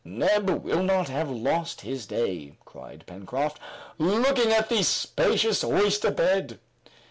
"Neb will not have lost his day," cried Pencroft, looking at the spacious oyster bed.